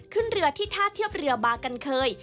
ขึ้นเรือที่ท่าเทียบเรือบากันเคย